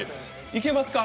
いけますか？